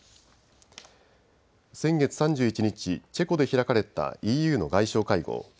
先月３１日、チェコで開かれたＥＵの外相会合。